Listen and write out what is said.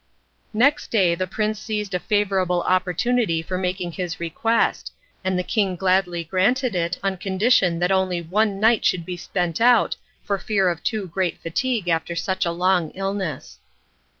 Next day the prince seized a favourable opportunity for making his request, and the king gladly granted it on condition that only one night should be spent out for fear of too great fatigue after such a long illness.